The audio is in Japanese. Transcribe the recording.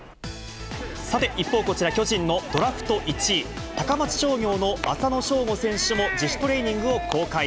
さて、一方こちら、巨人のドラフト１位、高松商業の浅野翔吾選手も自主トレーニングを公開。